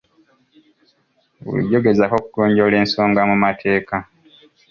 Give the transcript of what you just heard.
Bulijjo gezaako okugonjoola ensonga mu mateeka.